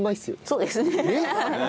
そうですね。